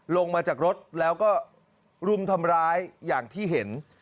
ลงมาจากรถแล้วก็รุมทำร้ายอย่างที่เห็น